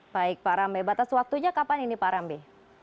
baik pak rambe batas waktunya kapan ini pak rambe